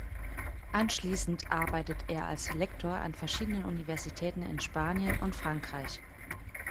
Anschließend arbeitet er als Lektor an verschiedenen Universitäten in Spanien und Frankreich.